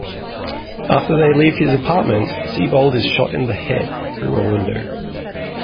After they leave his apartment, Siebold is shot in the head through a window.